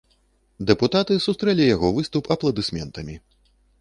Дэпутаты сустрэлі яго выступ апладысментамі.